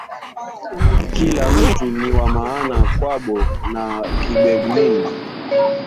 Kila muntu niwa maana kwabo na kubengine